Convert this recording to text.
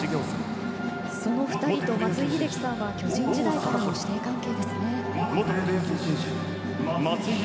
その２人と松井秀喜さんは巨人時代からの師弟関係ですね。